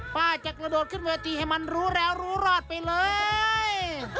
ป้าจะกระโดดขึ้นเวทีให้มันรู้แล้วรู้รอดไปเลย